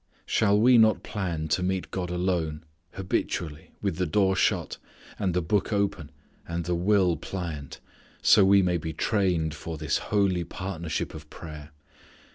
Shall we not plan to meet God alone, habitually, with the door shut, and the Book open, and the will pliant so we may be trained for this holy partnership of prayer.